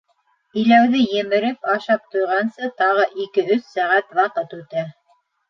Иләүҙе емереп ашап-туйғансы тағы ике-өс сәғәт ваҡыт үтә.